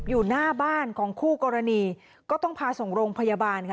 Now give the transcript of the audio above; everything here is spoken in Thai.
อยู่หน้าบ้านของคู่กรณีก็ต้องพาส่งโรงพยาบาล